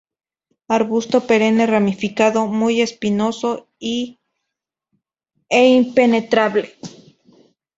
Arbusto perenne, ramificado, muy espinoso e impenetrable.